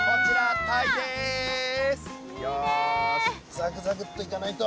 ザクザクッといかないと。